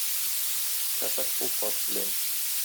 Фәкать шул шарт белән.